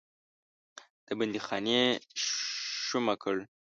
د بندیخانې شومه کړ.